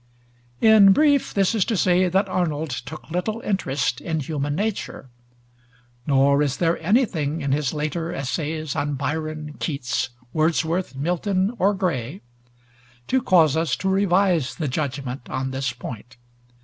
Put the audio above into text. In brief, this is to say that Arnold took little interest in human nature; nor is there anything in his later essays on Byron, Keats, Wordsworth, Milton, or Gray, to cause us to revise the judgment on this point.